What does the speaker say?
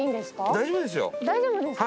大丈夫ですか？